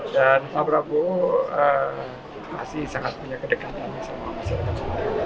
dan pak prabowo masih sangat punya kedekatan sama masyarakat